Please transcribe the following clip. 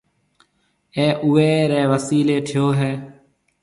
اَي اُوئي رَي وسيلَي ٺهيو هيَ۔